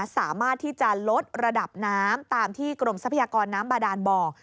สามารถที่จะลดระดับน้ำตามที่กรมทรัพยากรน้ำบาดานบอก